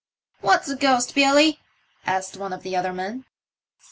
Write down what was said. " What's a ghost, Billy ?" asked one of the other men.